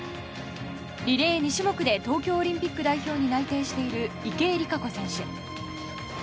リレー２種目で東京オリンピックに代表に内定している池江璃花子選手。